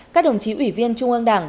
các đồng chí ủy viên trung ương đảng